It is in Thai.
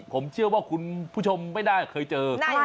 ผมเชื่อว่าคุณผู้ชมไม่น่าเคยเจอ